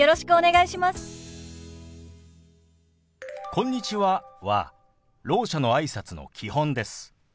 「こんにちは」はろう者のあいさつの基本です。